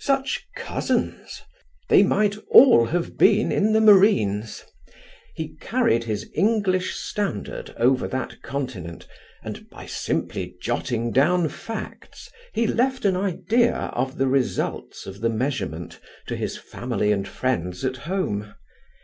Such cousins! They might all have been in the Marines. He carried his English standard over that continent, and by simply jotting down facts, he left an idea of the results of the measurement to his family and friends at home.